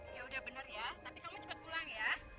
ya udah bener ya tapi kamu cepat pulang ya